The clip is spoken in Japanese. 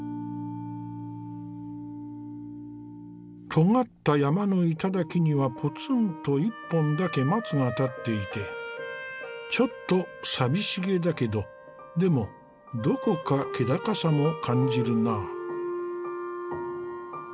とがった山の頂にはポツンと１本だけ松が立っていてちょっと寂しげだけどでもどこか気高さも感じるなぁ。